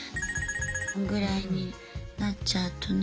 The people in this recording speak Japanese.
ぐらいになっちゃうとね。